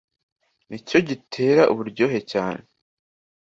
nicyo gitera uburyohe cyane.